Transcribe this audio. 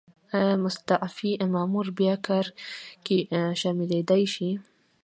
ایا مستعفي مامور بیا کار کې شاملیدای شي؟